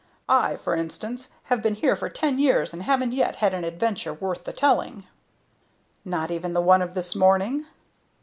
I, for instance, have been here for ten years, and haven't yet had an adventure worth the telling." "Not even the one of this morning?"